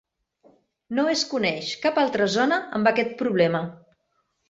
No es coneix cap altra zona amb aquest problema.